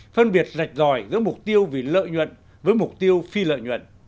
phân biệt rạch ròi giữa mục tiêu vì lợi nhuận với mục tiêu phi lợi nhuận